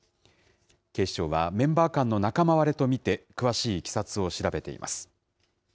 警視庁は、メンバー間の仲間割れと見て、詳しいいきさつを調べています。